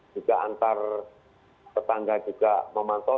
juga antar tetangga juga memantau